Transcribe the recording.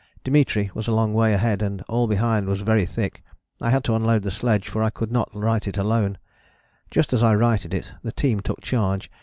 Dimitri was a long way ahead and all behind was very thick. I had to unload the sledge for I could not right it alone. Just as I righted it the team took charge.